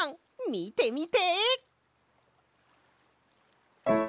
みてみて！